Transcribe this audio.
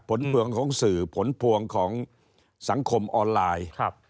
ผลพวงของสื่อผลพวงของสังคมออนไลน์